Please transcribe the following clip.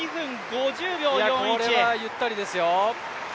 これはゆったりペースですよ。